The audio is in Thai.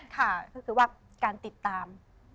ค่ะก็คือว่าการติดตาม